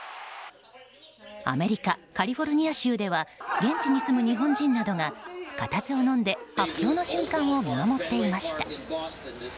アメリカ・カリフォルニア州では現地に住む日本人などが固唾をのんで発表の瞬間を見守っていました。